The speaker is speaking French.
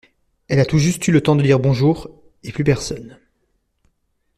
Elle a tout juste eu le temps de dire bonjour, et plus personne!